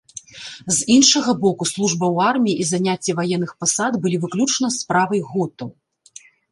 З іншага боку, служба ў арміі і заняцце ваенных пасад былі выключна справай готаў.